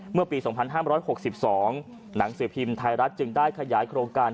เมื่อปี๒๕๖๒หนังสือพิมพ์ไทยรัฐจึงได้ขยายโครงการ